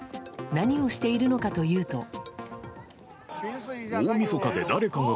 何をしているのかというと。